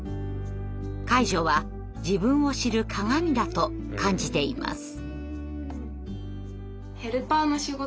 介助は自分を知る鏡だと感じています。